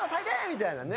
みたいなね。